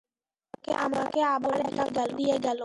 আমাকে আবার একা করে দিয়ে গেলো।